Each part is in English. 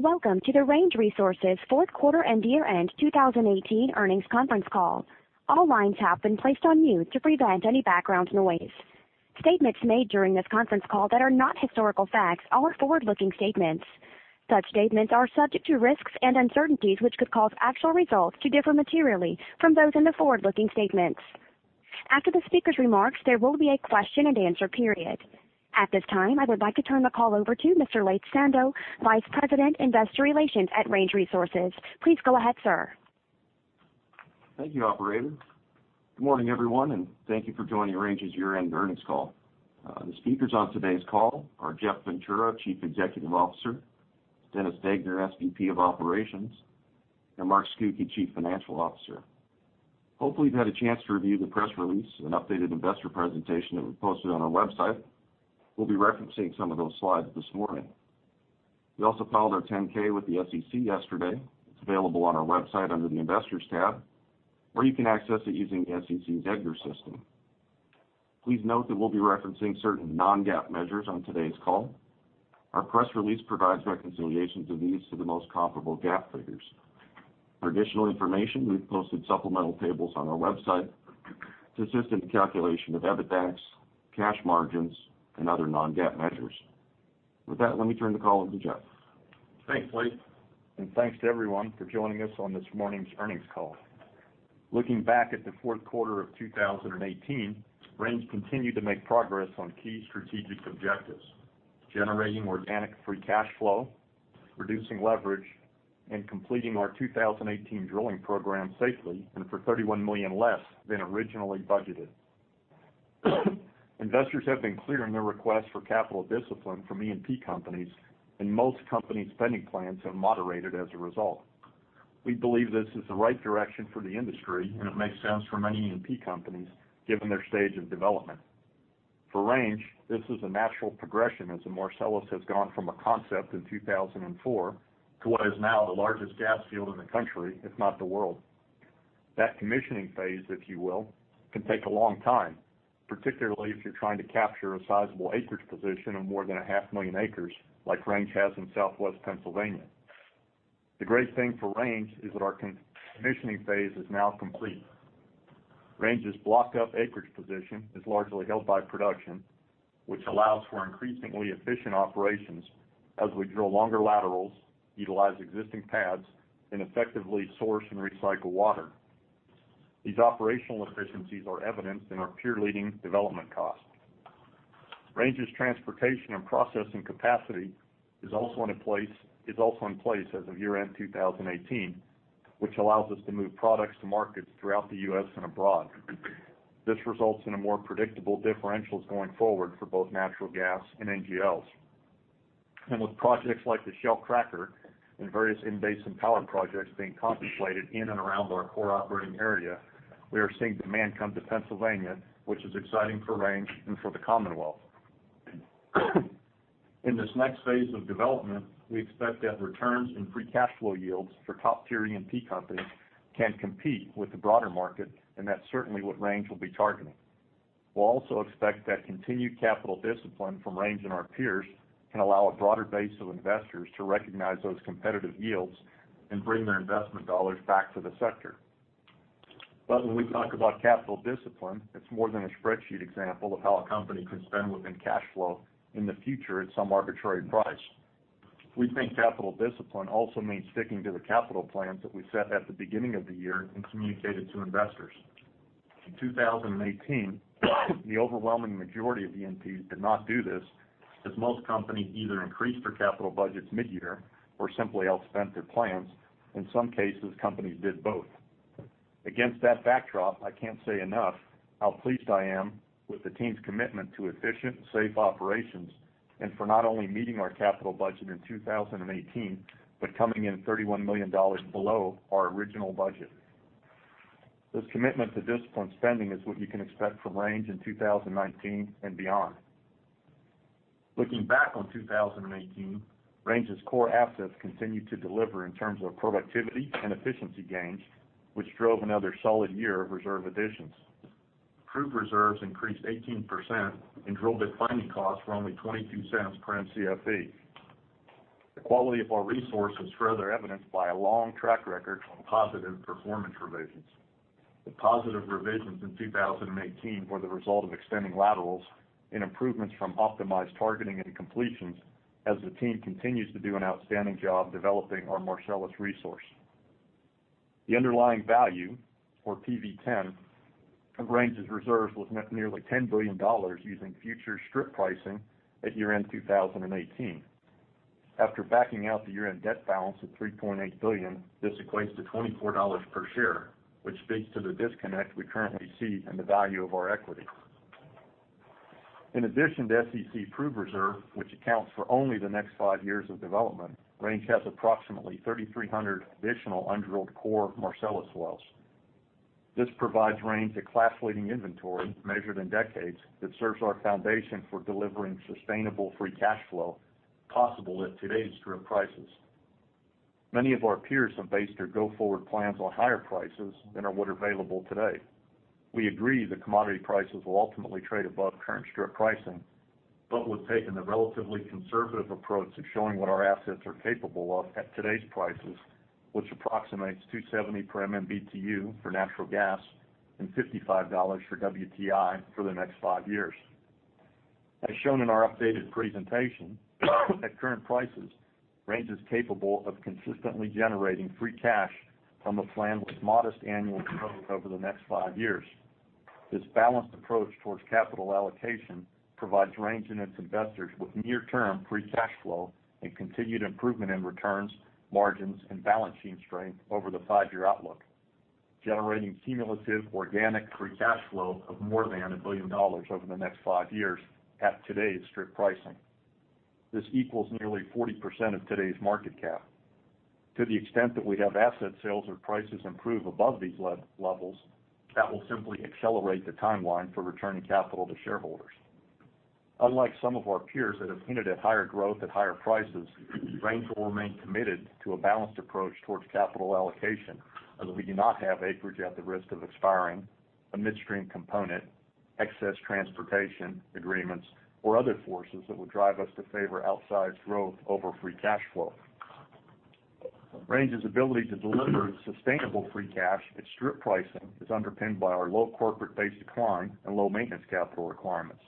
Welcome to the Range Resources fourth quarter and year-end 2018 earnings conference call. All lines have been placed on mute to prevent any background noise. Statements made during this conference call that are not historical facts are forward-looking statements. Such statements are subject to risks and uncertainties, which could cause actual results to differ materially from those in the forward-looking statements. After the speaker's remarks, there will be a question and answer period. At this time, I would like to turn the call over to Mr. Laith Sando, Vice President, Investor Relations at Range Resources. Please go ahead, sir. Thank you, operator. Good morning, everyone, thank you for joining Range's year-end earnings call. The speakers on today's call are Jeff Ventura, Chief Executive Officer, Dennis Degner, SVP of Operations, and Mark Scucchi, Chief Financial Officer. Hopefully, you've had a chance to review the press release and updated investor presentation that we posted on our website. We'll be referencing some of those slides this morning. We also filed our 10-K with the SEC yesterday. It's available on our website under the Investors tab, or you can access it using the SEC's EDGAR system. Please note that we'll be referencing certain non-GAAP measures on today's call. Our press release provides reconciliations of these to the most comparable GAAP figures. For additional information, we've posted supplemental tables on our website to assist in the calculation of EBITDAX, cash margins, and other non-GAAP measures. With that, let me turn the call over to Jeff. Thanks, Laith, thanks to everyone for joining us on this morning's earnings call. Looking back at the fourth quarter of 2018, Range continued to make progress on key strategic objectives: generating organic free cash flow, reducing leverage, and completing our 2018 drilling program safely and for $31 million less than originally budgeted. Investors have been clear in their request for capital discipline from E&P companies, most companies' spending plans have moderated as a result. We believe this is the right direction for the industry, it makes sense for many E&P companies, given their stage of development. For Range, this is a natural progression as the Marcellus has gone from a concept in 2004 to what is now the largest gas field in the country, if not the world. That commissioning phase, if you will, can take a long time, particularly if you're trying to capture a sizable acreage position of more than a half million acres like Range has in Southwest Pennsylvania. The great thing for Range is that our commissioning phase is now complete. Range's blocked-up acreage position is largely held by production, which allows for increasingly efficient operations as we drill longer laterals, utilize existing pads, and effectively source and recycle water. These operational efficiencies are evidenced in our peer leading development cost. Range's transportation and processing capacity is also in place as of year-end 2018, which allows us to move products to markets throughout the U.S. and abroad. This results in a more predictable differentials going forward for both natural gas and NGLs. With projects like the Shell cracker and various in-basin power projects being contemplated in and around our core operating area, we are seeing demand come to Pennsylvania, which is exciting for Range and for the Commonwealth. In this next phase of development, we expect that returns and free cash flow yields for top-tier E&P companies can compete with the broader market, that's certainly what Range will be targeting. We'll also expect that continued capital discipline from Range and our peers can allow a broader base of investors to recognize those competitive yields and bring their investment dollars back to the sector. When we talk about capital discipline, it's more than a spreadsheet example of how a company can spend within cash flow in the future at some arbitrary price. We think capital discipline also means sticking to the capital plans that we set at the beginning of the year and communicated to investors. In 2018, the overwhelming majority of E&Ps did not do this, as most companies either increased their capital budgets mid-year or simply outspent their plans. In some cases, companies did both. Against that backdrop, I can't say enough how pleased I am with the team's commitment to efficient, safe operations, and for not only meeting our capital budget in 2018, but coming in $31 million below our original budget. This commitment to disciplined spending is what you can expect from Range in 2019 and beyond. Looking back on 2018, Range's core assets continued to deliver in terms of productivity and efficiency gains, which drove another solid year of reserve additions. Proved reserves increased 18%, and drill bit finding costs were only $0.22 per Mcfe. The quality of our resource is further evidenced by a long track record on positive performance revisions. The positive revisions in 2018 were the result of extending laterals and improvements from optimized targeting and completions as the team continues to do an outstanding job developing our Marcellus resource. The underlying value for PV-10 of Range's reserves was nearly $10 billion using future strip pricing at year-end 2018. After backing out the year-end debt balance of $3.8 billion, this equates to $24 per share, which speaks to the disconnect we currently see in the value of our equity. In addition to SEC proved reserve, which accounts for only the next five years of development, Range has approximately 3,300 additional undrilled core Marcellus wells. This provides Range a class-leading inventory measured in decades that serves our foundation for delivering sustainable free cash flow possible at today's strip prices. Many of our peers have based their go-forward plans on higher prices than are what are available today. We agree that commodity prices will ultimately trade above current strip pricing, but we've taken the relatively conservative approach of showing what our assets are capable of at today's prices, which approximates $270 per MMBtu for natural gas and $55 for WTI for the next five years. As shown in our updated presentation, at current prices, Range is capable of consistently generating free cash from a plan with modest annual growth over the next five years. This balanced approach towards capital allocation provides Range and its investors with near-term free cash flow and continued improvement in returns, margins, and balance sheet strength over the five-year outlook, generating cumulative organic free cash flow of more than $1 billion over the next five years at today's strip pricing. This equals nearly 40% of today's market cap. To the extent that we have asset sales or prices improve above these levels, that will simply accelerate the timeline for returning capital to shareholders. Unlike some of our peers that have hinted at higher growth at higher prices, Range will remain committed to a balanced approach towards capital allocation, as we do not have acreage at the risk of expiring, a midstream component, excess transportation agreements, or other forces that would drive us to favor outsized growth over free cash flow. Range's ability to deliver sustainable free cash at strip pricing is underpinned by our low corporate base decline and low maintenance capital requirements.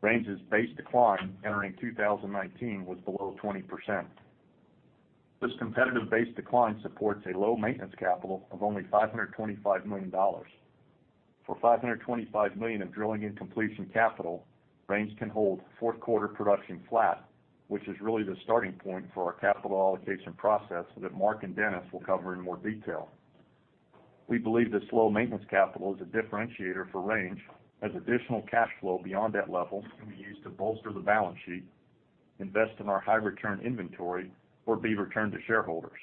Range's base decline entering 2019 was below 20%. This competitive base decline supports a low maintenance capital of only $525 million. For $525 million in drilling and completion capital, Range can hold fourth quarter production flat, which is really the starting point for our capital allocation process that Mark and Dennis will cover in more detail. We believe this low maintenance capital is a differentiator for Range, as additional cash flow beyond that level can be used to bolster the balance sheet, invest in our high return inventory, or be returned to shareholders.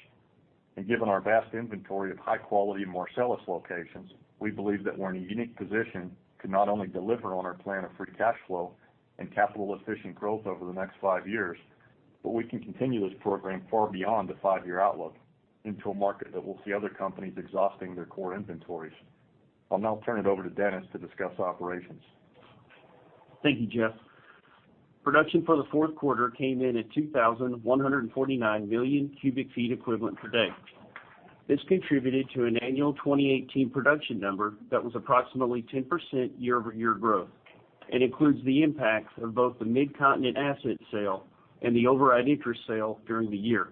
Given our vast inventory of high-quality Marcellus locations, we believe that we're in a unique position to not only deliver on our plan of free cash flow and capital-efficient growth over the next five years, but we can continue this program far beyond the five-year outlook into a market that will see other companies exhausting their core inventories. I'll now turn it over to Dennis to discuss operations. Thank you, Jeff. Production for the fourth quarter came in at 2,149 million cubic feet equivalent per day. This contributed to an annual 2018 production number that was approximately 10% year-over-year growth and includes the impact of both the Midcontinent asset sale and the override interest sale during the year.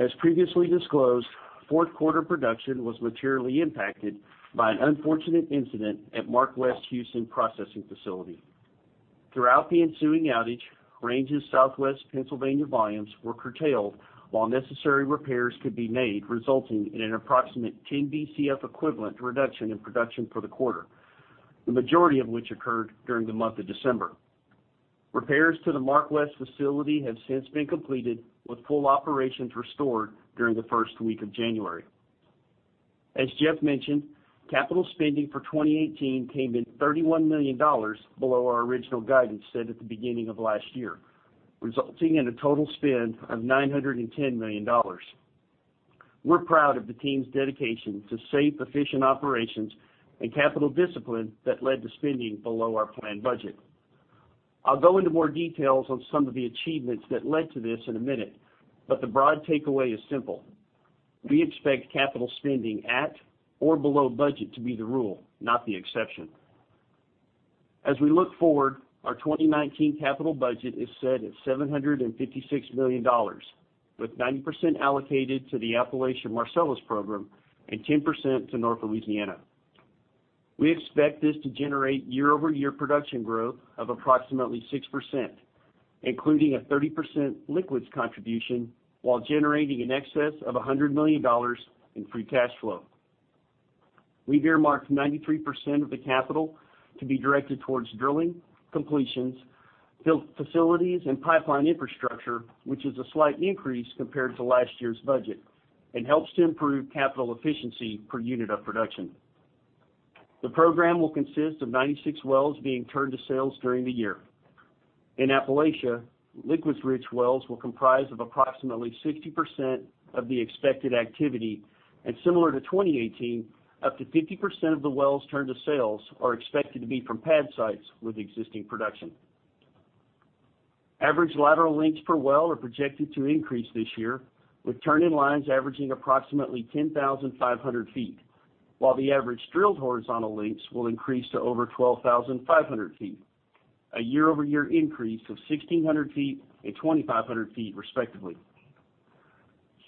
As previously disclosed, fourth quarter production was materially impacted by an unfortunate incident at MarkWest Houston processing facility. Throughout the ensuing outage, Range's Southwest Pennsylvania volumes were curtailed while necessary repairs could be made, resulting in an approximate 10 Bcf equivalent reduction in production for the quarter, the majority of which occurred during the month of December. Repairs to the MarkWest facility have since been completed, with full operations restored during the first week of January. As Jeff mentioned, capital spending for 2018 came in $31 million below our original guidance set at the beginning of last year, resulting in a total spend of $910 million. We're proud of the team's dedication to safe, efficient operations and capital discipline that led to spending below our planned budget. I'll go into more details on some of the achievements that led to this in a minute, but the broad takeaway is simple. We expect capital spending at or below budget to be the rule, not the exception. As we look forward, our 2019 capital budget is set at $756 million, with 90% allocated to the Appalachian-Marcellus program and 10% to North Louisiana. We expect this to generate year-over-year production growth of approximately 6%, including a 30% liquids contribution while generating in excess of $100 million in free cash flow. We've earmarked 93% of the capital to be directed towards drilling, completions, facilities, and pipeline infrastructure, which is a slight increase compared to last year's budget and helps to improve capital efficiency per unit of production. The program will consist of 96 wells being turned to sales during the year. In Appalachia, liquids-rich wells will comprise of approximately 60% of the expected activity, and similar to 2018, up to 50% of the wells turned to sales are expected to be from pad sites with existing production. Average lateral lengths per well are projected to increase this year, with turning lines averaging approximately 10,500 feet, while the average drilled horizontal lengths will increase to over 12,500 feet, a year-over-year increase of 1,600 feet and 2,500 feet respectively.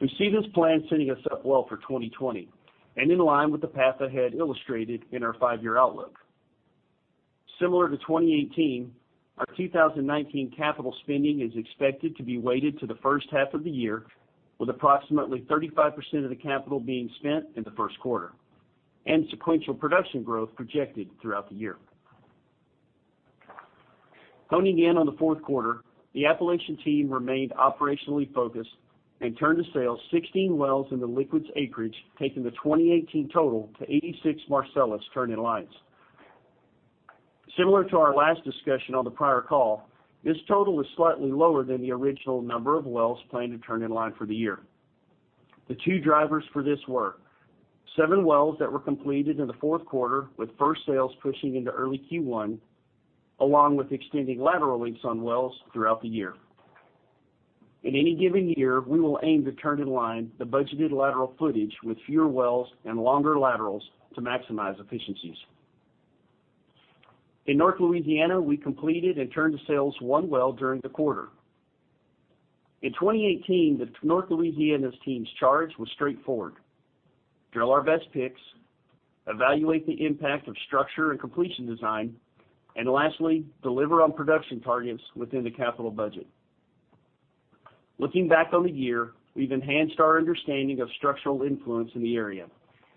We see this plan setting us up well for 2020 and in line with the path ahead illustrated in our five-year outlook. Similar to 2018, our 2019 capital spending is expected to be weighted to the first half of the year, with approximately 35% of the capital being spent in the first quarter and sequential production growth projected throughout the year. Honing in on the fourth quarter, the Appalachian team remained operationally focused and turned to sale 16 wells into liquids acreage, taking the 2018 total to 86 Marcellus turning lines. Similar to our last discussion on the prior call, this total is slightly lower than the original number of wells planned to turn in line for the year. The two drivers for this were seven wells that were completed in the fourth quarter with first sales pushing into early Q1, along with extending lateral lengths on wells throughout the year. In any given year, we will aim to turn in line the budgeted lateral footage with fewer wells and longer laterals to maximize efficiencies. In North Louisiana, we completed and turned to sales one well during the quarter. In 2018, the North Louisiana's team's charge was straightforward: drill our best picks, evaluate the impact of structure and completion design, and lastly, deliver on production targets within the capital budget. Looking back on the year, we've enhanced our understanding of structural influence in the area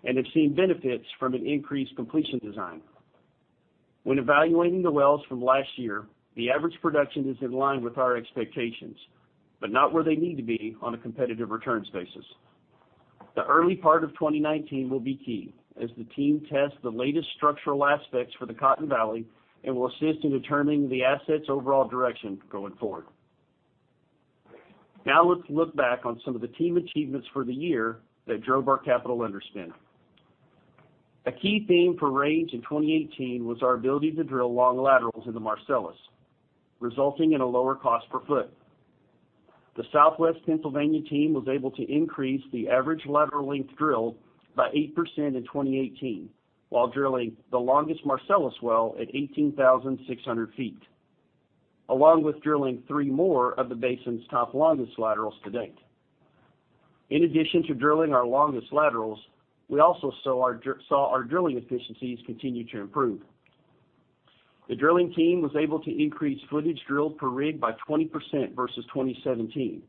and have seen benefits from an increased completion design. When evaluating the wells from last year, the average production is in line with our expectations, but not where they need to be on a competitive returns basis. Let's look back on some of the team achievements for the year that drove our capital underspend. A key theme for Range in 2018 was our ability to drill long laterals in the Marcellus, resulting in a lower cost per foot. The Southwest Pennsylvania team was able to increase the average lateral length drilled by 8% in 2018 while drilling the longest Marcellus well at 18,600 feet, along with drilling three more of the basin's top longest laterals to date. In addition to drilling our longest laterals, we also saw our drilling efficiencies continue to improve. The drilling team was able to increase footage drilled per rig by 20% versus 2017.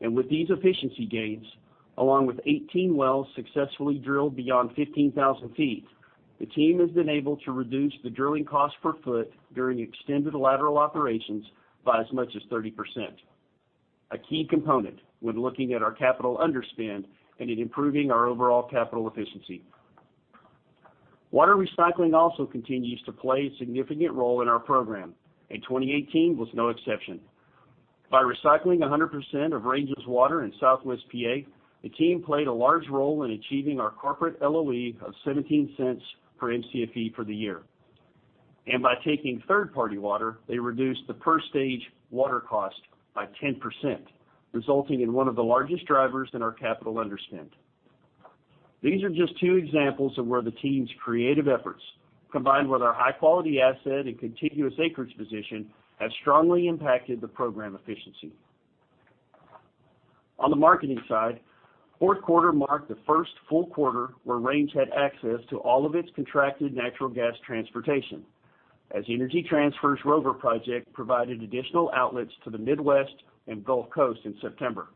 With these efficiency gains, along with 18 wells successfully drilled beyond 15,000 feet, the team has been able to reduce the drilling cost per foot during extended lateral operations by as much as 30%, a key component when looking at our capital underspend and in improving our overall capital efficiency. Water recycling also continues to play a significant role in our program; 2018 was no exception. By recycling 100% of Range's water in Southwest PA, the team played a large role in achieving our corporate LOE of $0.17 per Mcfe for the year. By taking third-party water, they reduced the per stage water cost by 10%, resulting in one of the largest drivers in our capital underspend. These are just two examples of where the team's creative efforts, combined with our high-quality asset and contiguous acreage position, have strongly impacted the program efficiency. On the marketing side, fourth quarter marked the first full quarter where Range had access to all of its contracted natural gas transportation, as Energy Transfer's Rover project provided additional outlets to the Midwest and Gulf Coast in September.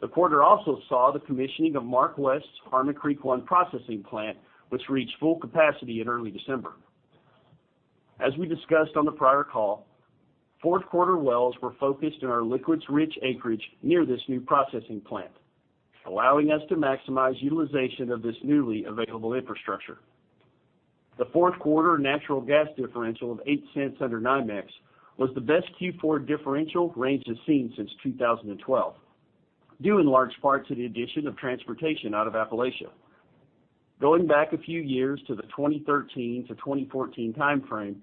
The quarter also saw the commissioning of MarkWest's Harmon Creek Processing Plant, which reached full capacity in early December. As we discussed on the prior call, fourth quarter wells were focused in our liquids-rich acreage near this new processing plant, allowing us to maximize utilization of this newly available infrastructure. The fourth quarter natural gas differential of $0.08 under NYMEX was the best Q4 differential Range has seen since 2012, due in large part to the addition of transportation out of Appalachia. Going back a few years to the 2013 to 2014 timeframe,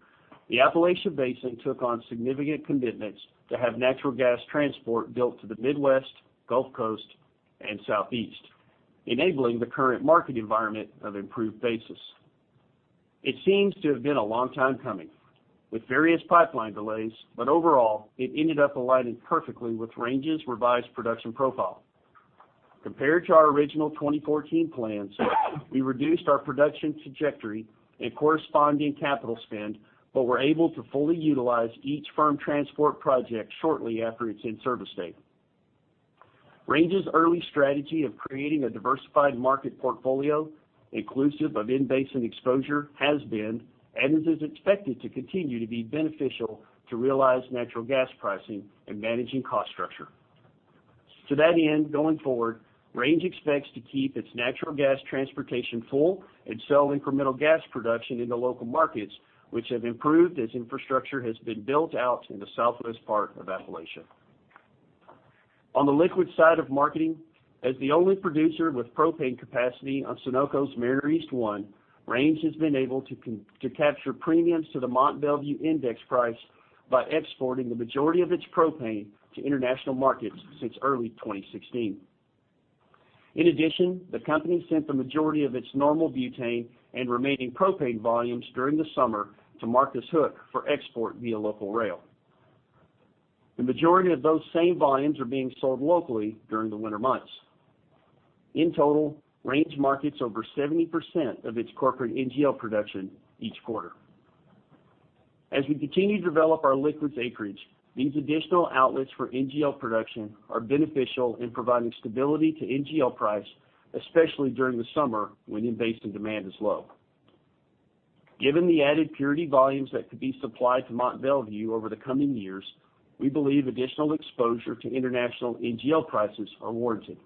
the Appalachia Basin took on significant commitments to have natural gas transport built to the Midwest, Gulf Coast, and Southeast, enabling the current market environment of improved basis. It seems to have been a long time coming, with various pipeline delays, but overall, it ended up aligning perfectly with Range's revised production profile. Compared to our original 2014 plans, we reduced our production trajectory and corresponding capital spend, but were able to fully utilize each firm transport project shortly after its in-service date. Range's early strategy of creating a diversified market portfolio inclusive of in-basin exposure has been and is expected to continue to be beneficial to realized natural gas pricing and managing cost structure. To that end, going forward, Range expects to keep its natural gas transportation full and sell incremental gas production into local markets, which have improved as infrastructure has been built out in the southwest part of Appalachia. On the liquid side of marketing, as the only producer with propane capacity on Sunoco's Mariner East 1, Range has been able to capture premiums to the Mont Belvieu index price by exporting the majority of its propane to international markets since early 2016. In addition, the company sent the majority of its normal butane and remaining propane volumes during the summer to Marcus Hook for export via local rail. The majority of those same volumes are being sold locally during the winter months. In total, Range markets over 70% of its corporate NGL production each quarter. As we continue to develop our liquids acreage, these additional outlets for NGL production are beneficial in providing stability to NGL price, especially during the summer when in-basin demand is low. Given the added purity volumes that could be supplied to Mont Belvieu over the coming years, we believe additional exposure to international NGL prices are warranted.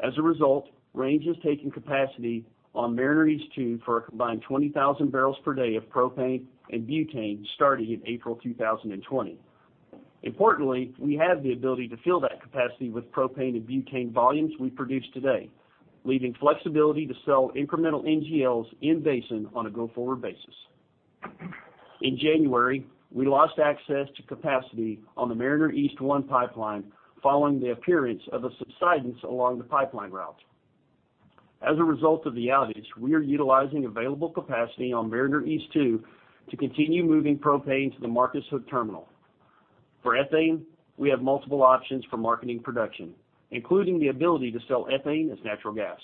As a result, Range has taken capacity on Mariner East 2 for a combined 20,000 barrels per day of propane and butane starting in April 2020. Importantly, we have the ability to fill that capacity with propane and butane volumes we produce today, leaving flexibility to sell incremental NGLs in-basin on a go-forward basis. In January, we lost access to capacity on the Mariner East 1 pipeline following the appearance of a subsidence along the pipeline route. As a result of the outage, we are utilizing available capacity on Mariner East 2 to continue moving propane to the Marcus Hook terminal. For ethane, we have multiple options for marketing production, including the ability to sell ethane as natural gas.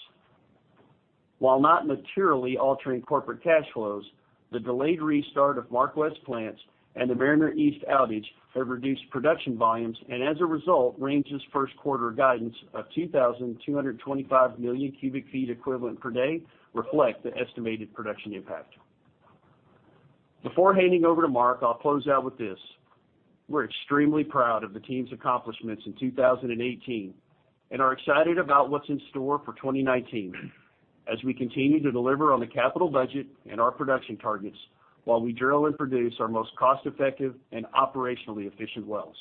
While not materially altering corporate cash flows, the delayed restart of MarkWest plants and the Mariner East outage have reduced production volumes, and as a result, Range's first quarter guidance of 2,225 million cubic feet equivalent per day reflect the estimated production impact. Before handing over to Mark, I'll close out with this. We're extremely proud of the team's accomplishments in 2018 and are excited about what's in store for 2019 as we continue to deliver on the capital budget and our production targets while we drill and produce our most cost-effective and operationally efficient wells.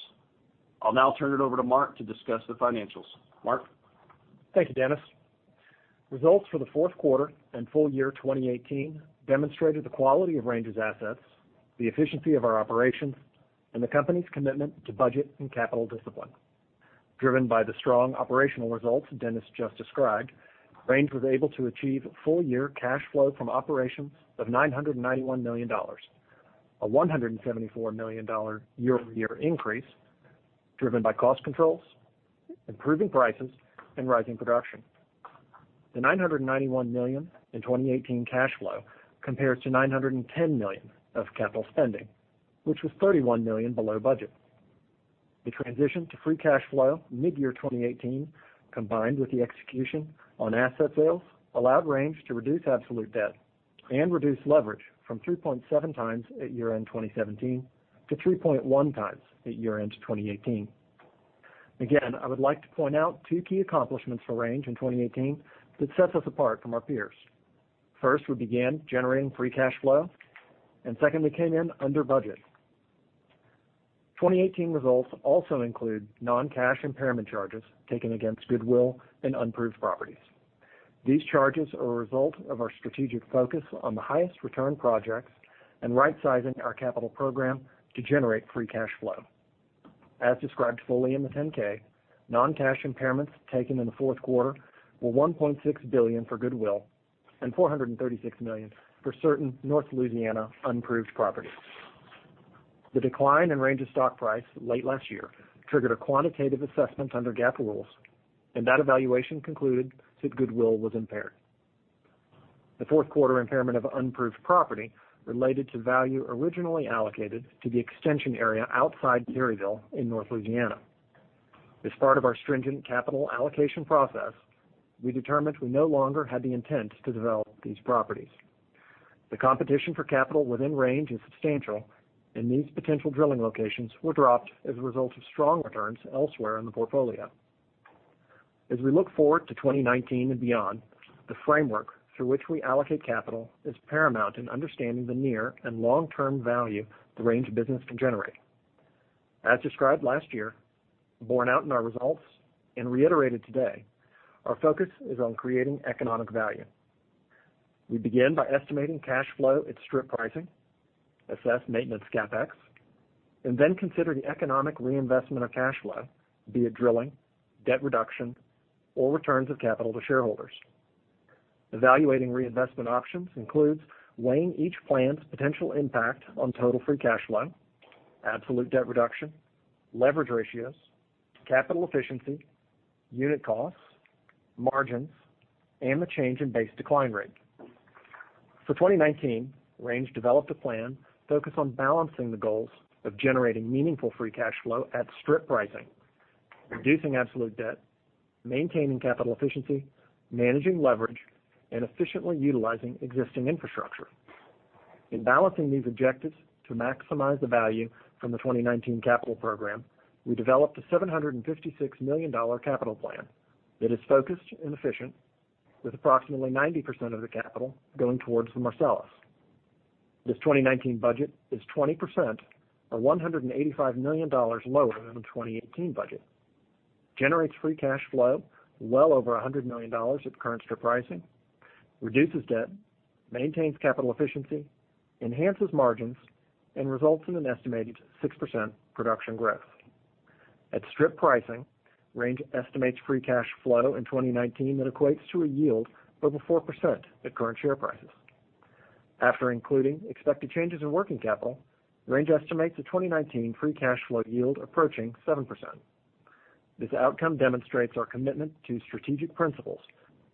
I'll now turn it over to Mark to discuss the financials. Mark? Thank you, Dennis. Results for the fourth quarter and full year 2018 demonstrated the quality of Range's assets, the efficiency of our operations, and the company's commitment to budget and capital discipline. Driven by the strong operational results Dennis just described, Range was able to achieve full-year cash flow from operations of $991 million, a $174 million year-over-year increase driven by cost controls, improving prices, and rising production. The $991 million in 2018 cash flow compares to $910 million of capital spending, which was $31 million below budget. The transition to free cash flow mid-year 2018, combined with the execution on asset sales, allowed Range to reduce absolute debt and reduce leverage from 3.7 times at year-end 2017 to 3.1 times at year-end 2018. Again, I would like to point out two key accomplishments for Range in 2018 that sets us apart from our peers. First, we began generating free cash flow, and second, we came in under budget. 2018 results also include non-cash impairment charges taken against goodwill and unproved properties. These charges are a result of our strategic focus on the highest return projects and rightsizing our capital program to generate free cash flow. As described fully in the 10-K, non-cash impairments taken in the fourth quarter were $1.6 billion for goodwill and $436 million for certain North Louisiana unproved properties. The decline in Range's stock price late last year triggered a quantitative assessment under GAAP rules, and that evaluation concluded that goodwill was impaired. The fourth quarter impairment of unproved property related to value originally allocated to the extension area outside Terryville in North Louisiana. As part of our stringent capital allocation process, we determined we no longer had the intent to develop these properties. The competition for capital within Range is substantial, and these potential drilling locations were dropped as a result of strong returns elsewhere in the portfolio. As we look forward to 2019 and beyond, the framework through which we allocate capital is paramount in understanding the near and long-term value the Range business can generate. As described last year, borne out in our results, and reiterated today, our focus is on creating economic value. We begin by estimating cash flow at strip pricing, assess maintenance CapEx, and then consider the economic reinvestment of cash flow, be it drilling, debt reduction, or returns of capital to shareholders. Evaluating reinvestment options includes weighing each plan's potential impact on total free cash flow, absolute debt reduction, leverage ratios, capital efficiency, unit costs, margins, and the change in base decline rate. For 2019, Range developed a plan focused on balancing the goals of generating meaningful free cash flow at strip pricing, reducing absolute debt, maintaining capital efficiency, managing leverage, and efficiently utilizing existing infrastructure. In balancing these objectives to maximize the value from the 2019 capital program, we developed a $756 million capital plan that is focused and efficient, with approximately 90% of the capital going towards the Marcellus. This 2019 budget is 20%, or $185 million, lower than the 2018 budget, generates free cash flow well over $100 million at current strip pricing, reduces debt, maintains capital efficiency, enhances margins, and results in an estimated 6% production growth. At strip pricing, Range estimates free cash flow in 2019 that equates to a yield of over 4% at current share prices. After including expected changes in working capital, Range estimates a 2019 free cash flow yield approaching 7%. This outcome demonstrates our commitment to strategic principles,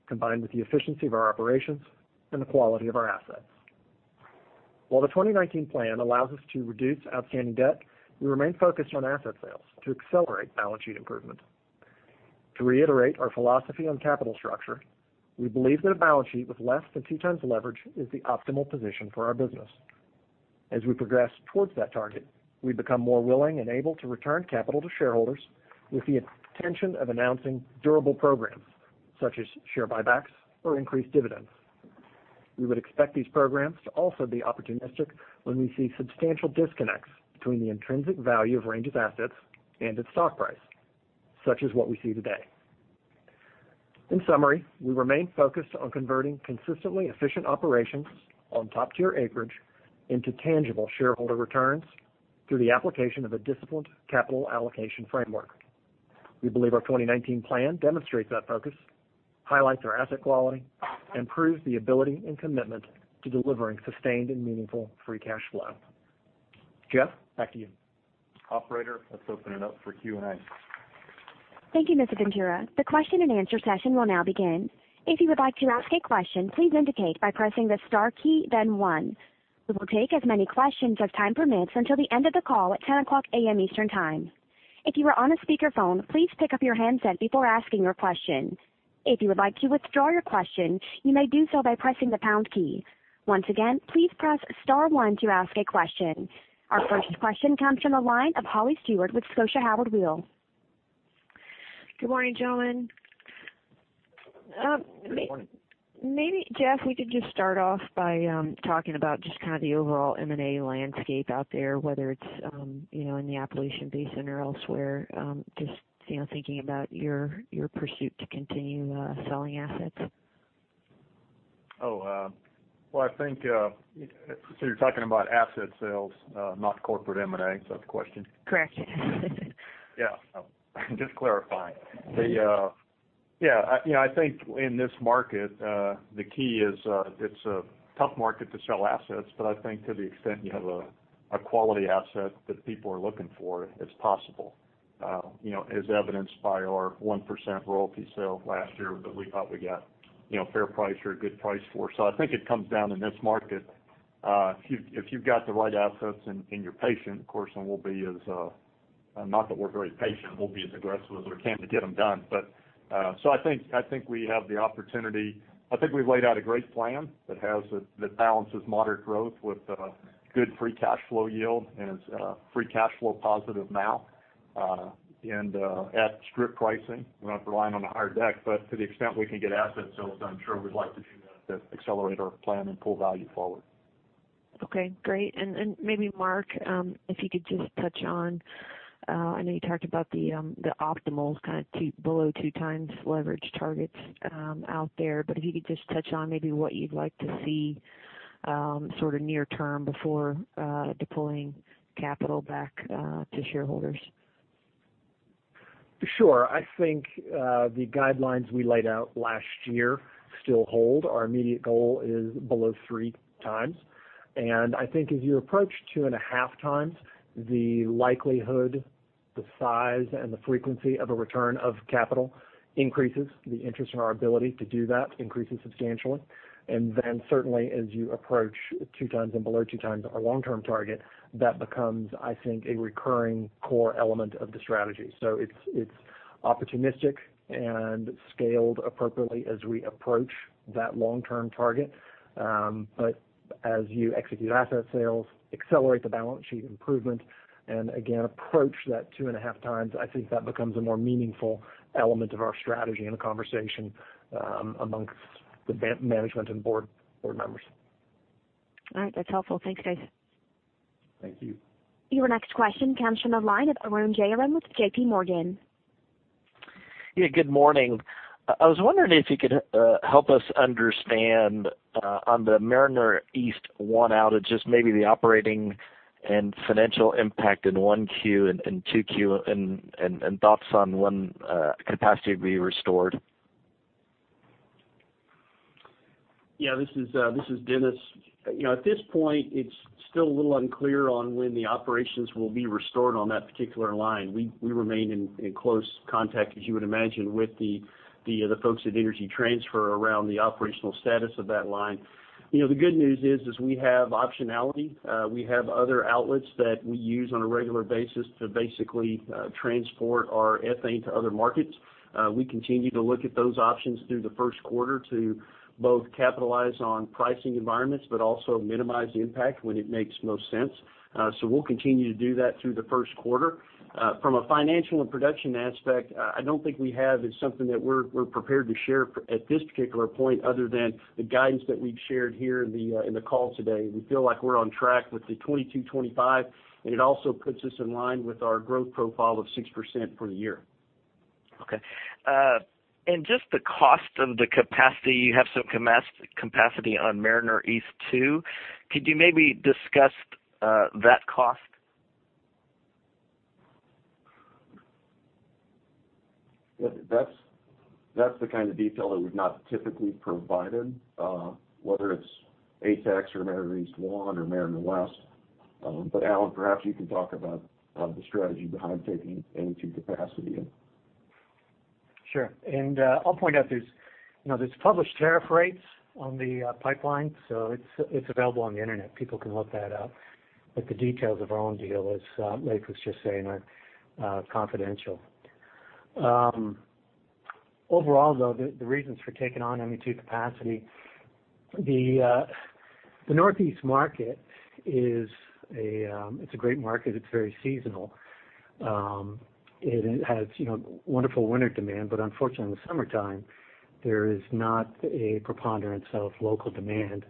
combined with the efficiency of our operations and the quality of our assets. While the 2019 plan allows us to reduce outstanding debt, we remain focused on asset sales to accelerate balance sheet improvement. To reiterate our philosophy on capital structure, we believe that a balance sheet with less than two times leverage is the optimal position for our business. As we progress towards that target, we become more willing and able to return capital to shareholders with the intention of announcing durable programs such as share buybacks or increased dividends. We would expect these programs to also be opportunistic when we see substantial disconnects between the intrinsic value of Range's assets and its stock price, such as what we see today. In summary, we remain focused on converting consistently efficient operations on top-tier acreage into tangible shareholder returns through the application of a disciplined capital allocation framework. We believe our 2019 plan demonstrates that focus, highlights our asset quality, and proves the ability and commitment to delivering sustained and meaningful free cash flow. Jeff, back to you. Operator, let's open it up for Q&A. Thank you, Mr. Ventura. The question and answer session will now begin. If you would like to ask a question, please indicate by pressing the star key, then one. We will take as many questions as time permits until the end of the call at 10:00 A.M. Eastern Time. If you are on a speakerphone, please pick up your handset before asking your question. If you would like to withdraw your question, you may do so by pressing the pound key. Once again, please press star one to ask a question. Our first question comes from the line of Holly Stewart with Scotiabank. Good morning, gentlemen. Good morning. Maybe, Jeff, we could just start off by talking about just kind of the overall M&A landscape out there, whether it's in the Appalachian Basin or elsewhere, just thinking about your pursuit to continue selling assets. Oh. You're talking about asset sales, not corporate M&A, is that the question? Correct. Yeah. Just clarifying. I think in this market, the key is it's a tough market to sell assets, I think to the extent you have a quality asset that people are looking for, it's possible, as evidenced by our 1% royalty sale last year that we thought we got fair price or a good price for. I think it comes down in this market, if you've got the right assets and you're patient, of course, and not that we're very patient, we'll be as aggressive as we can to get them done. I think we have the opportunity. I think we've laid out a great plan that balances moderate growth with good free cash flow yield and is free cash flow positive now. At strip pricing, we're not relying on a higher deck, to the extent we can get asset sales done, sure, we'd like to do that accelerate our plan and pull value forward. Okay, great. Maybe Mark, if you could just touch on I know you talked about the optimal kind of below 2x leverage targets out there, if you could just touch on maybe what you'd like to see sort of near term before deploying capital back to shareholders. Sure. I think the guidelines we laid out last year still hold. Our immediate goal is below 3x, I think as you approach 2.5x, the likelihood, the size, and the frequency of a return of capital increases. The interest in our ability to do that increases substantially. Certainly as you approach 2x and below 2x our long-term target, that becomes, I think, a recurring core element of the strategy. It's opportunistic and scaled appropriately as we approach that long-term target. As you execute asset sales, accelerate the balance sheet improvement, and again, approach that 2.5x, I think that becomes a more meaningful element of our strategy and a conversation amongst the management and board members. All right. That's helpful. Thanks, guys. Thank you. Your next question comes from the line of Arun Jayaram with JPMorgan. Good morning. I was wondering if you could help us understand on the Mariner East 1 outage, just maybe the operating and financial impact in one Q and two Q and thoughts on when capacity will be restored. Yeah, this is Dennis. At this point, it's still a little unclear on when the operations will be restored on that particular line. We remain in close contact, as you would imagine, with the folks at Energy Transfer around the operational status of that line. The good news is we have optionality. We have other outlets that we use on a regular basis to basically transport our ethane to other markets. We continue to look at those options through the first quarter to both capitalize on pricing environments, also minimize the impact when it makes most sense. We'll continue to do that through the first quarter. From a financial and production aspect, I don't think we have something that we're prepared to share at this particular point other than the guidance that we've shared here in the call today. We feel like we're on track with the 2,225, it also puts us in line with our growth profile of 6% for the year. Okay. Just the cost of the capacity, you have some capacity on Mariner East 2. Could you maybe discuss that cost? That's the kind of detail that we've not typically provided, whether it's ATEX or Mariner East 1 or Mariner West. Alan, perhaps you can talk about the strategy behind taking ME2 capacity. Sure. I'll point out there's published tariff rates on the pipeline, it's available on the internet. People can look that up. The details of our own deal, as Blake was just saying, are confidential. Overall though, the reasons for taking on ME2 capacity. The Northeast market is a great market. It's very seasonal. It has wonderful winter demand, but unfortunately, in the summertime, there is not a preponderance of local demand.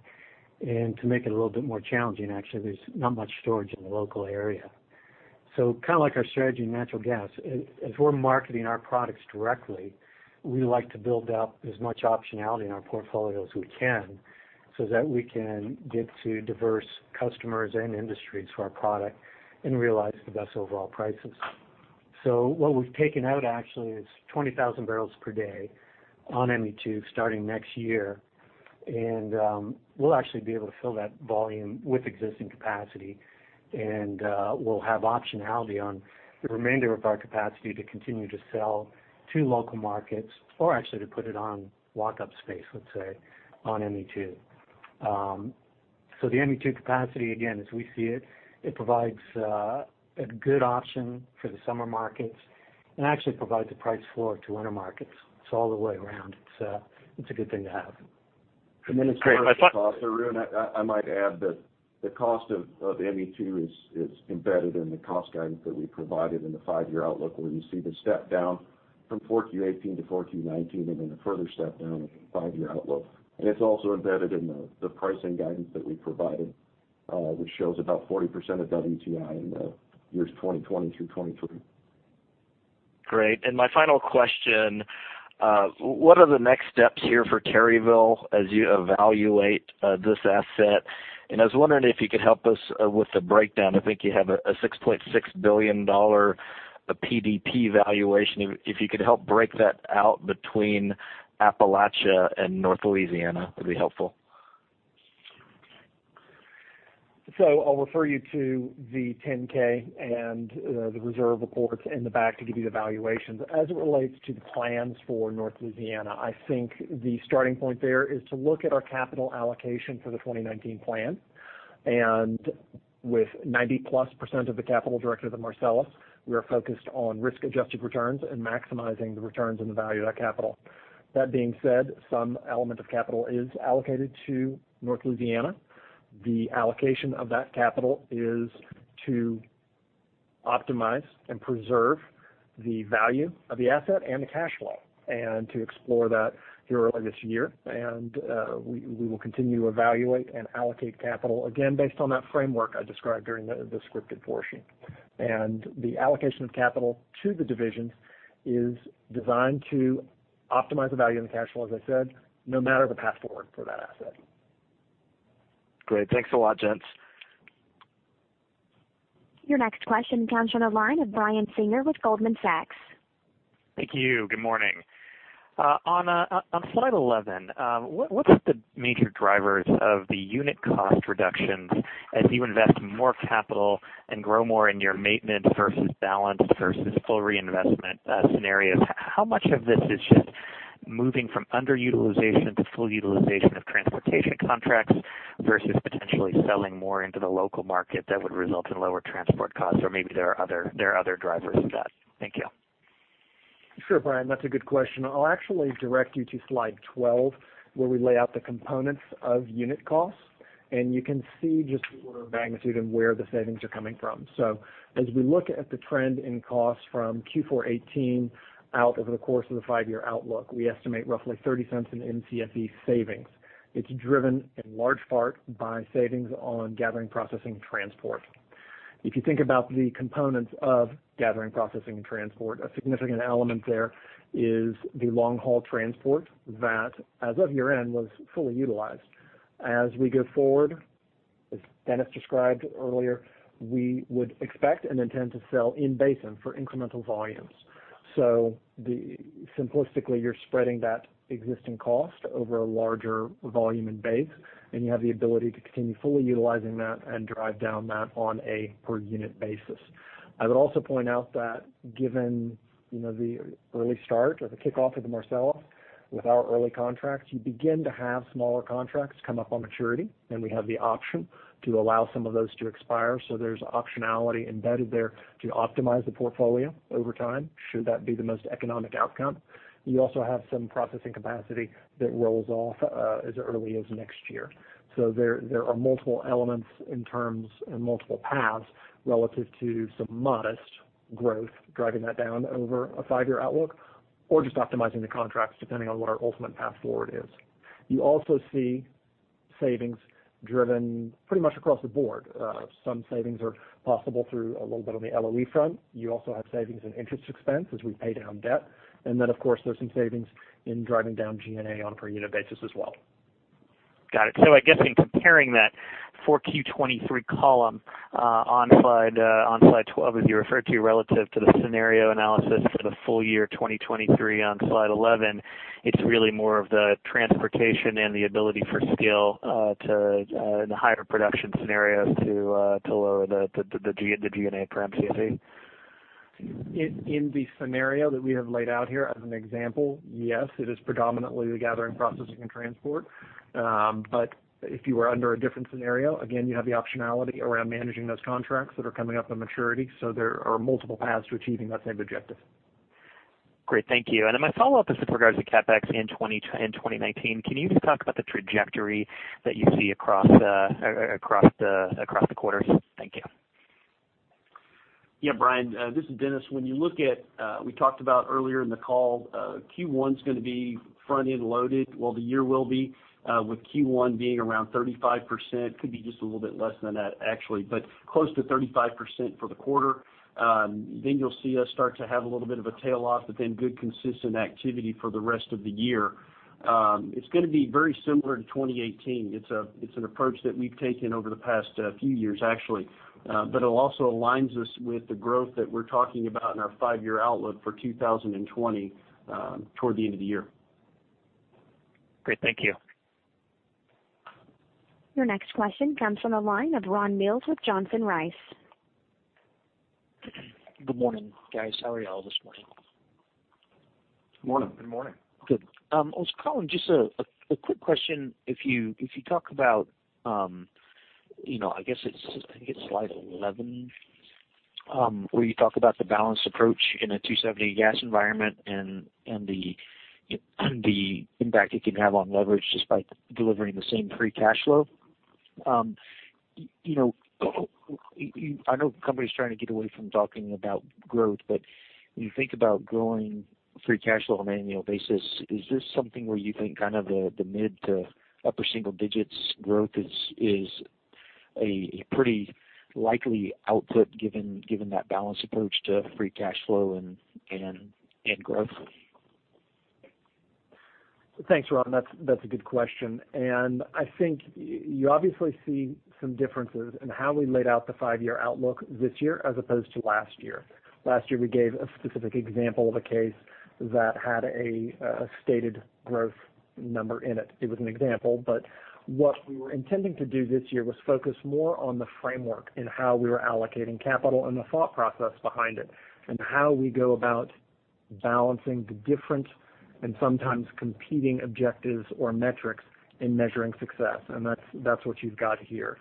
To make it a little bit more challenging, actually, there's not much storage in the local area. Kind of like our strategy in natural gas, as we're marketing our products directly, we like to build out as much optionality in our portfolio as we can so that we can get to diverse customers and industries for our product and realize the best overall prices. What we've taken out actually is 20,000 barrels per day on ME2 starting next year. We'll actually be able to fill that volume with existing capacity, and we'll have optionality on the remainder of our capacity to continue to sell to local markets or actually to put it on walk-up space, let's say, on ME2. The ME2 capacity, again, as we see it provides a good option for the summer markets and actually provides a price floor to winter markets. It's all the way around. It's a good thing to have. And then it's- Great. Arun, I might add that the cost of ME2 is embedded in the cost guidance that we provided in the five-year outlook, where you see the step-down from 4Q 2018 to 4Q 2019, then a further step-down in the five-year outlook. It's also embedded in the pricing guidance that we provided, which shows about 40% of WTI in the years 2020 through 2023. Great. My final question, what are the next steps here for Terryville as you evaluate this asset? I was wondering if you could help us with the breakdown. I think you have a $6.6 billion PDP valuation. If you could help break that out between Appalachia and North Louisiana, it'd be helpful. I'll refer you to the 10-K and the reserve reports in the back to give you the valuations. As it relates to the plans for North Louisiana, I think the starting point there is to look at our capital allocation for the 2019 plan. With 90-plus% of the capital directed to the Marcellus, we are focused on risk-adjusted returns and maximizing the returns and the value of that capital. That being said, some element of capital is allocated to North Louisiana. The allocation of that capital is to optimize and preserve the value of the asset and the cash flow, to explore that here early this year. We will continue to evaluate and allocate capital, again, based on that framework I described during the scripted portion. The allocation of capital to the division is designed to optimize the value and the cash flow, as I said, no matter the path forward for that asset. Great. Thanks a lot, gents. Your next question comes from the line of Brian Singer with Goldman Sachs. Thank you. Good morning. On slide 11, what's the major drivers of the unit cost reductions as you invest more capital and grow more in your maintenance versus balance versus full reinvestment scenarios? How much of this is just moving from underutilization to full utilization of transportation contracts versus potentially selling more into the local market that would result in lower transport costs? Or maybe there are other drivers of that. Thank you. Sure, Brian. That's a good question. I'll actually direct you to slide 12, where we lay out the components of unit costs, and you can see just the order of magnitude and where the savings are coming from. As we look at the trend in costs from Q4 2018 out over the course of the five-year outlook, we estimate roughly $0.30 an Mcfe savings. It's driven in large part by savings on gathering, processing, and transport. If you think about the components of gathering, processing, and transport, a significant element there is the long-haul transport that, as of year-end, was fully utilized. As we go forward, as Dennis described earlier, we would expect and intend to sell in-basin for incremental volumes. Simplistically, you're spreading that existing cost over a larger volume and base, and you have the ability to continue fully utilizing that and drive down that on a per-unit basis. I would also point out that given the early start or the kickoff of the Marcellus with our early contracts, you begin to have smaller contracts come up on maturity, and we have the option to allow some of those to expire. There's optionality embedded there to optimize the portfolio over time, should that be the most economic outcome. You also have some processing capacity that rolls off as early as next year. There are multiple elements in terms and multiple paths relative to some modest growth driving that down over a five-year outlook or just optimizing the contracts depending on what our ultimate path forward is. You also see savings driven pretty much across the board. Some savings are possible through a little bit on the LOE front. You also have savings in interest expense as we pay down debt. Of course, there's some savings in driving down G&A on a per-unit basis as well. Got it. I guess in comparing that 4Q 2023 column on slide 12, as you referred to, relative to the scenario analysis for the full year 2023 on slide 11, it's really more of the transportation and the ability for scale to the higher production scenarios to lower the G&A per Mcfe. In the scenario that we have laid out here as an example, yes, it is predominantly the gathering, processing, and transport. If you were under a different scenario, again, you have the optionality around managing those contracts that are coming up on maturity. There are multiple paths to achieving that same objective. Great. Thank you. My follow-up is with regards to CapEx in 2019. Can you just talk about the trajectory that you see across the quarters? Thank you. Yeah, Brian, this is Dennis. We talked about earlier in the call, Q1's going to be front-end loaded, well, the year will be, with Q1 being around 35%, could be just a little bit less than that actually, close to 35% for the quarter. You'll see us start to have a little bit of a tail off, good consistent activity for the rest of the year. It's going to be very similar to 2018. It's an approach that we've taken over the past few years actually. It also aligns us with the growth that we're talking about in our five-year outlook for 2020, toward the end of the year. Great. Thank you. Your next question comes from the line of Ron Mills with Johnson Rice. Good morning, guys. How are you all this morning? Morning. Good morning. Good. I was calling, just a quick question. If you talk about, I guess it's slide 11, where you talk about the balanced approach in a 270 gas environment and the impact it can have on leverage just by delivering the same free cash flow. I know the company's trying to get away from talking about growth, but when you think about growing free cash flow on an annual basis, is this something where you think kind of the mid to upper single digits growth is a pretty likely output given that balanced approach to free cash flow and growth? Thanks, Ron. That's a good question. I think you obviously see some differences in how we laid out the five-year outlook this year as opposed to last year. Last year, we gave a specific example of a case that had a stated growth number in it. It was an example, but what we were intending to do this year was focus more on the framework and how we were allocating capital and the thought process behind it, and how we go about balancing the different, and sometimes competing objectives or metrics in measuring success. That's what you've got here.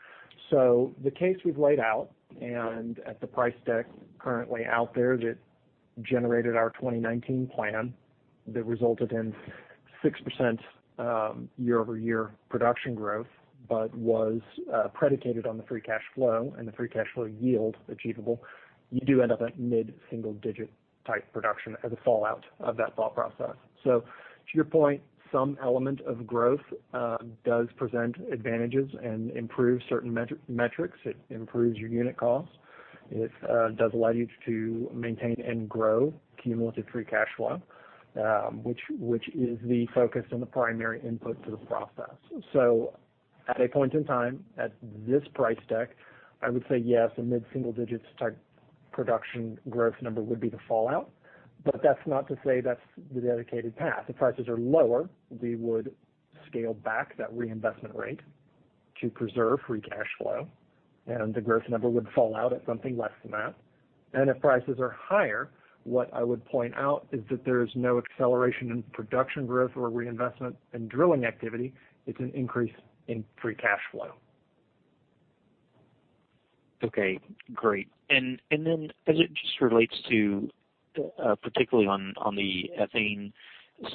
The case we've laid out, and at the price deck currently out there that generated our 2019 plan that resulted in 6% year-over-year production growth, but was predicated on the free cash flow and the free cash flow yield achievable. You do end up at mid-single digit type production as a fallout of that thought process. To your point, some element of growth does present advantages and improves certain metrics. It improves your unit cost. It does allow you to maintain and grow cumulative free cash flow, which is the focus and the primary input to the process. At a point in time, at this price deck, I would say yes, a mid-single digit type production growth number would be the fallout. That's not to say that's the dedicated path. If prices are lower, we would scale back that reinvestment rate to preserve free cash flow, and the growth number would fall out at something less than that. If prices are higher, what I would point out is that there's no acceleration in production growth or reinvestment in drilling activity, it's an increase in free cash flow. Okay, great. As it just relates to, particularly on the ethane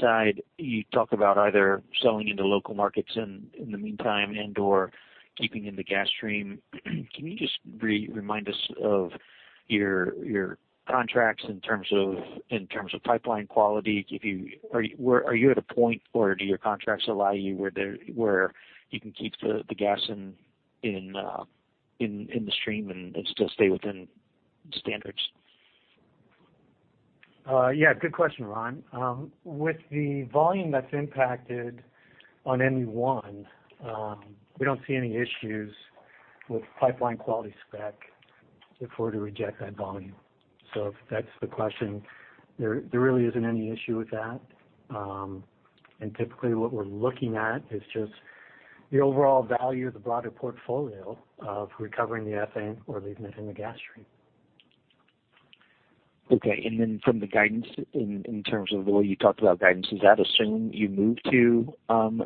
side, you talk about either selling into local markets in the meantime and/or keeping in the gas stream. Can you just remind us of your contracts in terms of pipeline quality? Are you at a point, or do your contracts allow you where you can keep the gas in the stream and still stay within standards? Yeah, good question, Ron. With the volume that's impacted on any one, we don't see any issues with pipeline quality spec if we're to reject that volume. If that's the question, there really isn't any issue with that. Typically, what we're looking at is just the overall value of the broader portfolio of recovering the ethane or leaving it in the gas stream. Okay. Then from the guidance, in terms of the way you talked about guidance, is that assuming you move to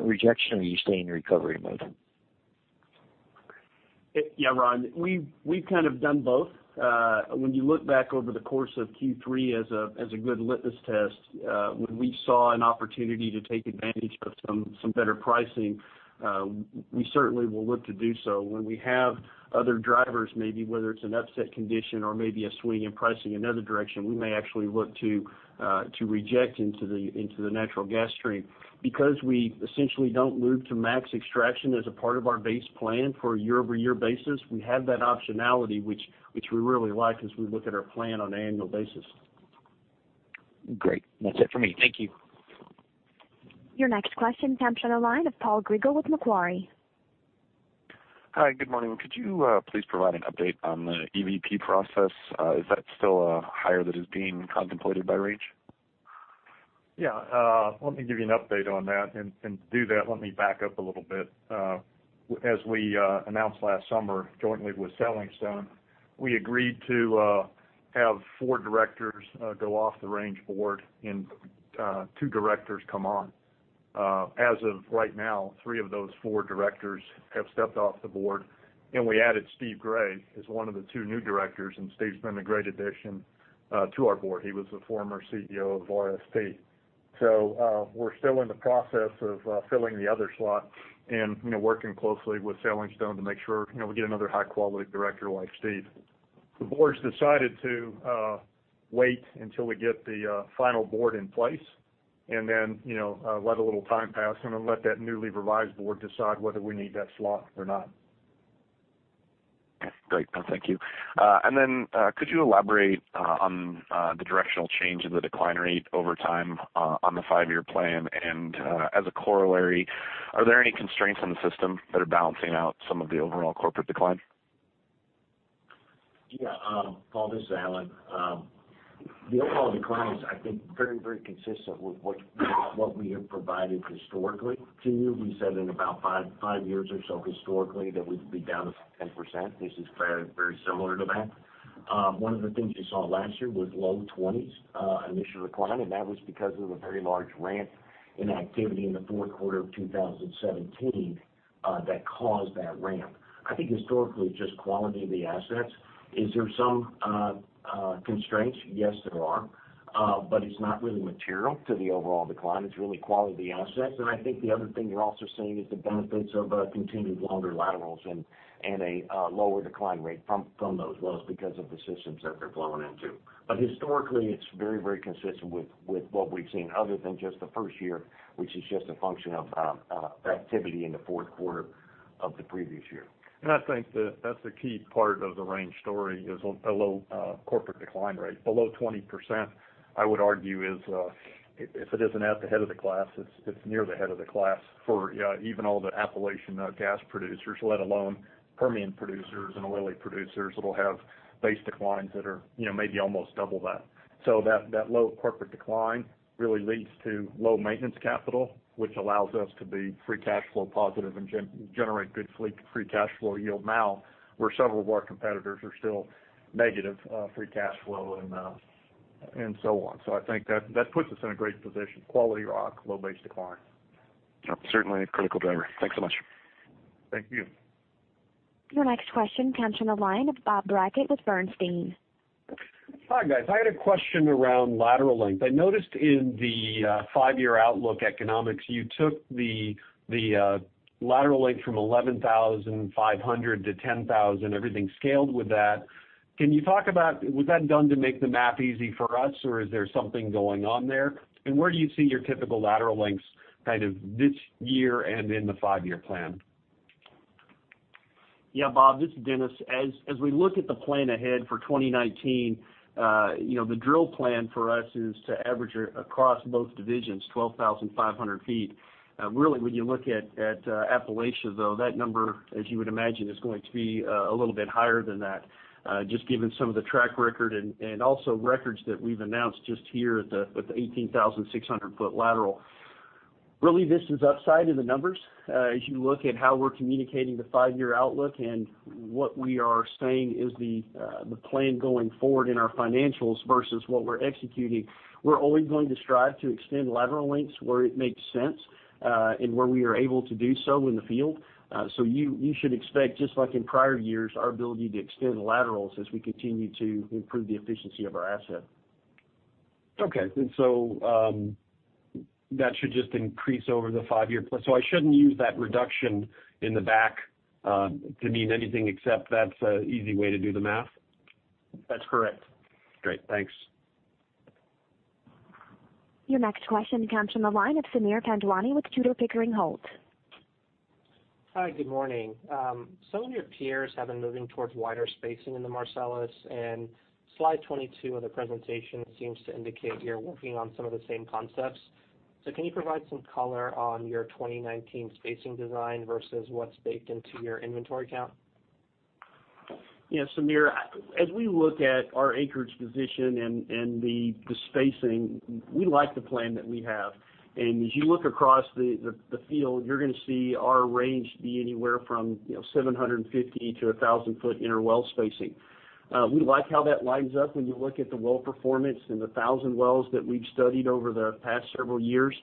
rejection, or you stay in recovery mode? Yeah, Ron. We've kind of done both. When you look back over the course of Q3 as a good litmus test, when we saw an opportunity to take advantage of some better pricing, we certainly will look to do so. When we have other drivers maybe, whether it's an upset condition or maybe a swing in pricing another direction, we may actually look to reject into the natural gas stream. Because we essentially don't move to max extraction as a part of our base plan for a year-over-year basis, we have that optionality, which we really like as we look at our plan on an annual basis. Great. That's it for me. Thank you. Your next question comes from the line of Paul Grigel with Macquarie. Hi, good morning. Could you please provide an update on the EVP process? Is that still a hire that is being contemplated by Range? Yeah. Let me give you an update on that. To do that, let me back up a little bit. As we announced last summer, jointly with SailingStone, we agreed to have four directors go off the Range board in two directors come on. As of right now, three of those four directors have stepped off the board, and we added Steve Gray as one of the two new directors, and Steve's been a great addition to our board. He was the former CEO of RSP. We're still in the process of filling the other slot and working closely with SailingStone to make sure we get another high-quality director like Steve. The board's decided to wait until we get the final board in place, then let a little time pass and then let that newly revised board decide whether we need that slot or not. Great. Thank you. Then, could you elaborate on the directional change in the decline rate over time on the five-year plan? As a corollary, are there any constraints on the system that are balancing out some of the overall corporate decline? Yeah. Paul, this is Alan. The overall decline is, I think, very, very consistent with what we have provided historically to you. We said in about five years or so historically that we'd be down 10%. This is very similar to that. One of the things you saw last year was low 20s initial decline, and that was because of a very large ramp in activity in the fourth quarter of 2017 that caused that ramp. I think historically, just quality of the assets. Is there some constraints? Yes, there are. It's not really material to the overall decline. It's really quality of the assets. I think the other thing you're also seeing is the benefits of continued longer laterals and a lower decline rate from those wells because of the systems that they're flowing into. Historically, it's very, very consistent with what we've seen other than just the first year, which is just a function of activity in the fourth quarter of the previous year. I think that's the key part of the Range story is a low corporate decline rate. Below 20%, I would argue is, if it isn't at the head of the class, it's near the head of the class for even all the Appalachian gas producers, let alone Permian producers and oily producers that'll have base declines that are maybe almost double that. That low corporate decline really leads to low maintenance capital, which allows us to be free cash flow positive and generate good free cash flow yield now, where several of our competitors are still negative free cash flow and so on. I think that puts us in a great position. Quality rock, low base decline. Certainly a critical driver. Thanks so much. Thank you. Your next question comes from the line of Bob Brackett with Bernstein. Hi, guys. I had a question around lateral length. I noticed in the five-year outlook economics, you took the lateral length from 11,500 to 10,000, everything scaled with that. Can you talk about, was that done to make the math easy for us, or is there something going on there? Where do you see your typical lateral lengths kind of this year and in the five-year plan? Yeah, Bob, this is Dennis. As we look at the plan ahead for 2019, the drill plan for us is to average across both divisions 12,500 feet. Really when you look at Appalachia, though, that number, as you would imagine, is going to be a little bit higher than that, just given some of the track record and also records that we've announced just here with the 18,600-foot lateral. Really, this is upside in the numbers. As you look at how we're communicating the five-year outlook and what we are saying is the plan going forward in our financials versus what we're executing. We're always going to strive to extend lateral lengths where it makes sense, and where we are able to do so in the field. You should expect, just like in prior years, our ability to extend laterals as we continue to improve the efficiency of our asset. Okay. That should just increase over the five-year. I shouldn't use that reduction in the back to mean anything except that's an easy way to do the math? That's correct. Great. Thanks. Your next question comes from the line of Sameer Panjwani with Tudor, Pickering, Holt. Hi, good morning. Some of your peers have been moving towards wider spacing in the Marcellus, and slide 22 of the presentation seems to indicate you're working on some of the same concepts. Can you provide some color on your 2019 spacing design versus what's baked into your inventory count? Yeah, Sameer. As we look at our acreage position and the spacing, we like the plan that we have. As you look across the field, you're going to see our range be anywhere from 750-1,000 foot inner well spacing. We like how that lines up when you look at the well performance and the 1,000 wells that we've studied over the past several years.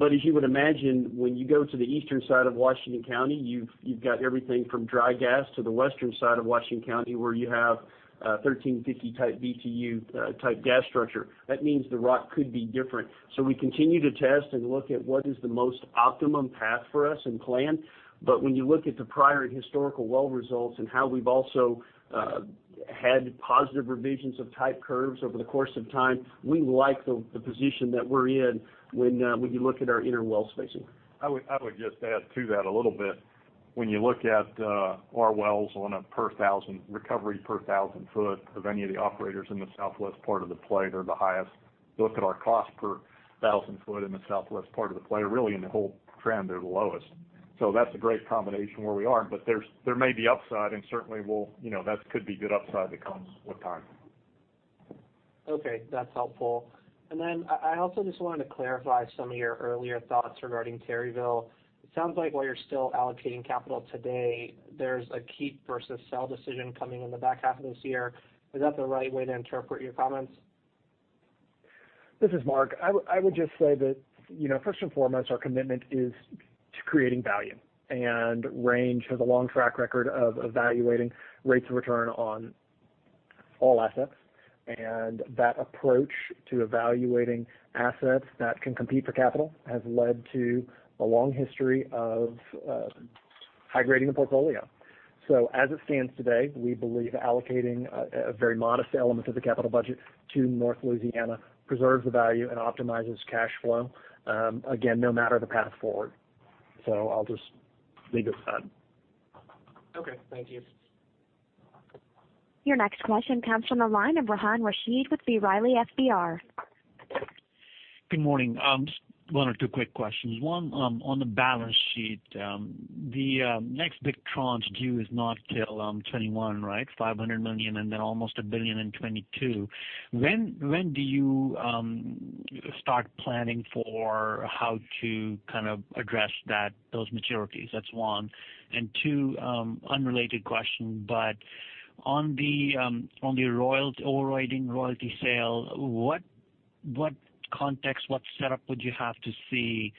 As you would imagine, when you go to the eastern side of Washington County, you've got everything from dry gas to the western side of Washington County, where you have 1,350 BTU type gas structure. That means the rock could be different. We continue to test and look at what is the most optimum path for us and plan. When you look at the prior and historical well results and how we've also had positive revisions of type curves over the course of time, we like the position that we're in when you look at our inner well spacing. I would just add to that a little bit. When you look at our wells on a recovery per 1,000 foot of any of the operators in the southwest part of the play, they're the highest. Look at our cost per 1,000 foot in the southwest part of the play, really in the whole trend, they're the lowest. That's a great combination where we are, but there may be upside and certainly that could be good upside that comes with time. Okay. That's helpful. I also just wanted to clarify some of your earlier thoughts regarding Terryville. It sounds like while you're still allocating capital today, there's a keep versus sell decision coming in the back half of this year. Is that the right way to interpret your comments? This is Mark. I would just say that, first and foremost, our commitment is to creating value. Range has a long track record of evaluating rates of return on all assets. That approach to evaluating assets that can compete for capital has led to a long history of high grading the portfolio. As it stands today, we believe allocating a very modest element of the capital budget to North Louisiana preserves the value and optimizes cash flow, again, no matter the path forward. I'll just leave it at that. Okay. Thank you. Your next question comes from the line of Rehan Rashid with B. Riley FBR. Good morning. Just one or two quick questions. On the balance sheet. The next big tranche due is not till 2021, right? $500 million, and then almost $1 billion in 2022. When do you start planning for how to address those maturities? That's one. Unrelated question, but on the overriding royalty sale, what context, what setup would you have to see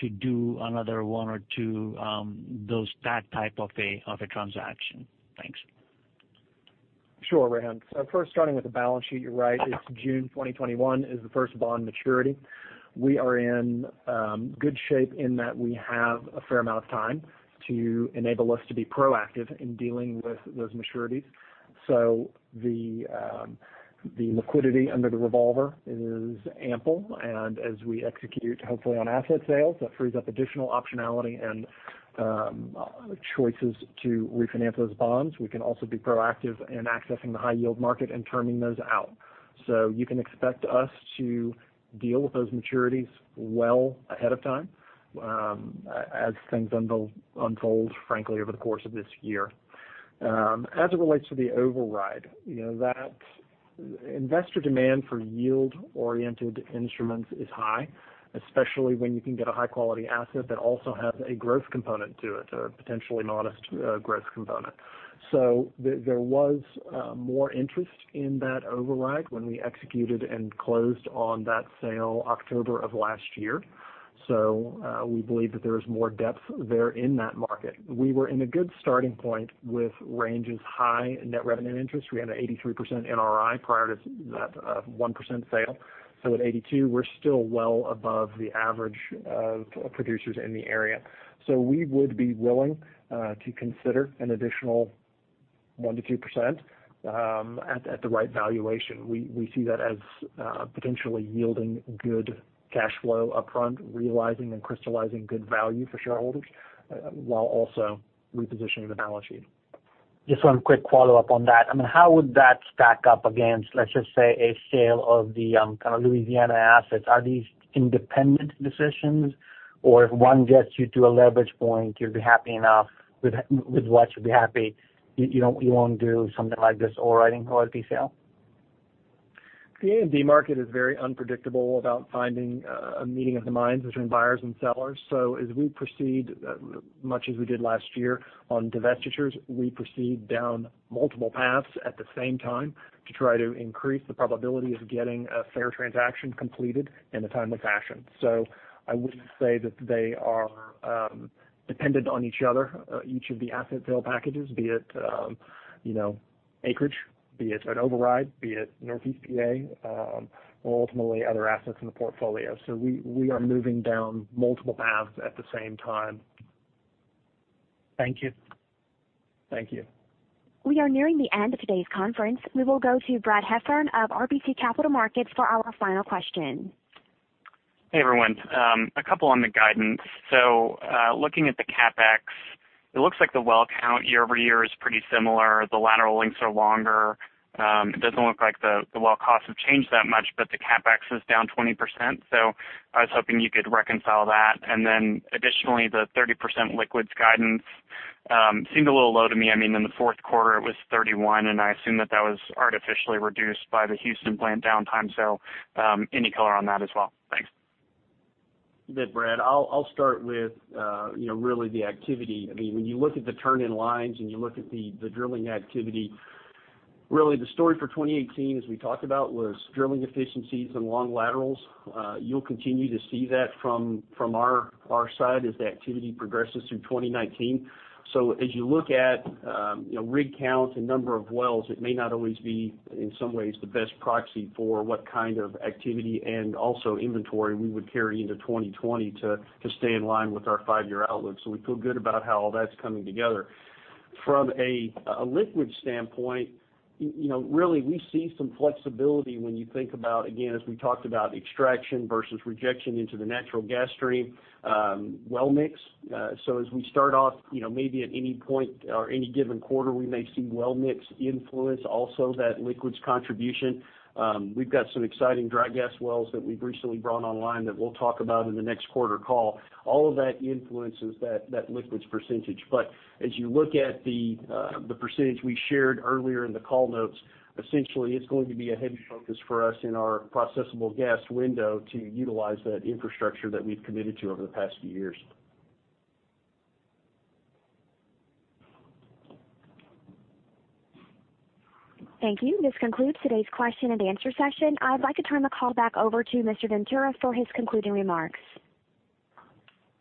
to do another one or two that type of a transaction? Thanks. Sure, Rehan. First, starting with the balance sheet, you're right. It's June 2021 is the first bond maturity. We are in good shape in that we have a fair amount of time to enable us to be proactive in dealing with those maturities. The liquidity under the revolver is ample, and as we execute, hopefully, on asset sales, that frees up additional optionality and choices to refinance those bonds. We can also be proactive in accessing the high yield market and terming those out. You can expect us to deal with those maturities well ahead of time, as things unfold, frankly, over the course of this year. As it relates to the override, investor demand for yield-oriented instruments is high, especially when you can get a high-quality asset that also has a growth component to it, a potentially modest growth component. There was more interest in that override when we executed and closed on that sale October of last year. We believe that there is more depth there in that market. We were in a good starting point with Range's high net revenue interest. We had an 83% NRI prior to that 1% sale. At 82, we're still well above the average of producers in the area. We would be willing to consider an additional 1%-2% at the right valuation. We see that as potentially yielding good cash flow upfront, realizing and crystallizing good value for shareholders, while also repositioning the balance sheet. Just one quick follow-up on that. How would that stack up against, let's just say, a sale of the Louisiana assets? Are these independent decisions? If one gets you to a leverage point, you'll be happy enough with what you'll be happy, you won't do something like this overriding royalty sale? The A&D market is very unpredictable about finding a meeting of the minds between buyers and sellers. As we proceed, much as we did last year on divestitures, we proceed down multiple paths at the same time to try to increase the probability of getting a fair transaction completed in a timely fashion. I wouldn't say that they are dependent on each other, each of the asset sale packages, be it acreage, be it an override, be it Northeast PA, or ultimately other assets in the portfolio. We are moving down multiple paths at the same time. Thank you. Thank you. We are nearing the end of today's conference. We will go to Brad Heffern of RBC Capital Markets for our final question. Hey, everyone. A couple on the guidance. Looking at the CapEx, it looks like the well count year-over-year is pretty similar. The lateral lengths are longer. It doesn't look like the well costs have changed that much, but the CapEx is down 20%. I was hoping you could reconcile that. Additionally, the 30% liquids guidance seemed a little low to me. In the fourth quarter, it was 31, and I assume that that was artificially reduced by the Houston plant downtime. Any color on that as well? Thanks. You bet, Brad. I'll start with really the activity. When you look at the turn-in-lines and you look at the drilling activity, really the story for 2018, as we talked about, was drilling efficiencies and long laterals. You'll continue to see that from our side as the activity progresses through 2019. As you look at rig counts and number of wells, it may not always be, in some ways, the best proxy for what kind of activity and also inventory we would carry into 2020 to stay in line with our five-year outlook. We feel good about how all that's coming together. From a liquids standpoint, really, we see some flexibility when you think about, again, as we talked about, extraction versus rejection into the natural gas stream. Well mix. As we start off, maybe at any point or any given quarter, we may see well mix influence also that liquids contribution. We've got some exciting dry gas wells that we've recently brought online that we'll talk about in the next quarter call. All of that influences that liquids percentage. As you look at the percentage we shared earlier in the call notes, essentially, it's going to be a heavy focus for us in our processable gas window to utilize that infrastructure that we've committed to over the past few years. Thank you. This concludes today's question and answer session. I'd like to turn the call back over to Mr. Ventura for his concluding remarks.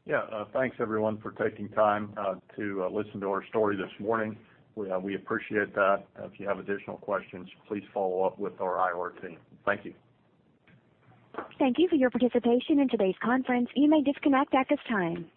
Yeah. Thanks, everyone, for taking time to listen to our story this morning. We appreciate that. If you have additional questions, please follow up with our IR team. Thank you. Thank you for your participation in today's conference. You may disconnect at this time.